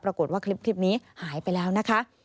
ปรากฏว่าคลิปนี้หายไปแล้วนะคะ